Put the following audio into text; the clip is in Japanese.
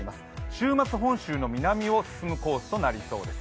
週末、本州の南を進むコースとなりそうです。